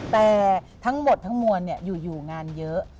แต่ทั้งหมดทั้งมวลอยู่งานเยอะ